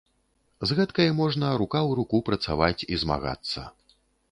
З гэткай можна рука ў руку працаваць і змагацца.